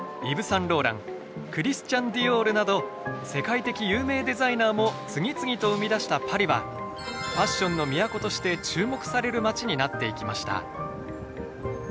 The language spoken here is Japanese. サンローランクリスチャン・ディオールなど世界的有名デザイナーも次々と生み出したパリはファッションの都として注目される街になっていきました。